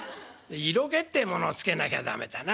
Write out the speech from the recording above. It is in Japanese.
色気ってものをつけなきゃ駄目だな。